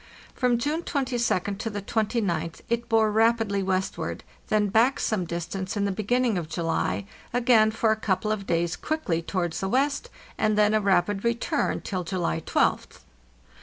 From June 22d to the 29th it bore rapidly westward, then back some distance in the beginning of July; again for a couple of days quickly towards the west, and then a rapid return till July 12th.